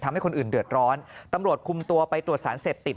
ทำให้คนอื่นเดือดร้อนตำรวจคุมตัวไปตรวจสารเสพติด